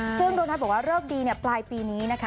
เครื่องโดนัทบอกว่าเริ่มดีเนี่ยปลายปีนี้นะคะ